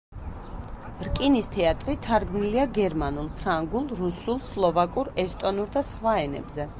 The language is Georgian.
რკინის თეატრი თარგმნილია გერმანულ, ფრანგულ, რუსულ, სლოვაკურ, ესტონურ და სხვა ენებზე.